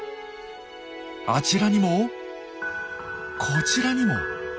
あちらにもこちらにも。